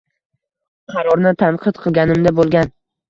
qarorni tanqid qilganimda bo‘lgan.